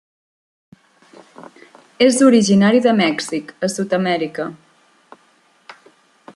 És originari de Mèxic a Sud-amèrica.